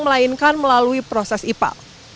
melainkan melalui proses ipa